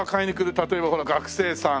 例えばほら学生さん